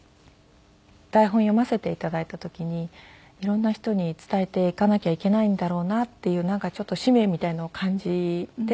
台本読ませて頂いた時に色んな人に伝えていかなきゃいけないんだろうなっていうなんかちょっと使命みたいなのを感じて。